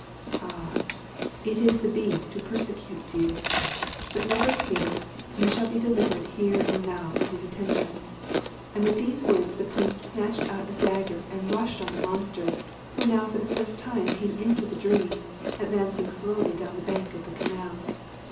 Ah, it is the Beast who persecutes you! But, never fear, you shall be delivered here and now from his attention' and with these words the Prince snatched out a dagger and rushed on the monster, who now for the first time came into the dream, advancing slowly down the bank of the canal.